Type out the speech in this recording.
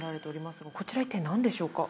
こちら一体何でしょうか？